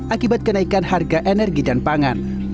akibat kenaikan harga energi dan pangan